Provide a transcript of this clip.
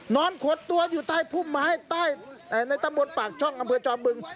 นอนขวดตัวอยู่ใต้ภูมิมาให้ใต้ในตำบลปากช่องอำเภยจอมบึง